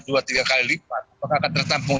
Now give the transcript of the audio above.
dua tiga kali lipat maka akan tertampung